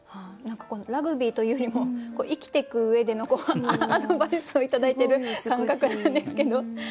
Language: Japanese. ラグビーというよりも生きてく上でのアドバイスを頂いている感覚なんですけど。